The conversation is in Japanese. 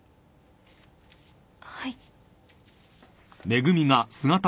はい。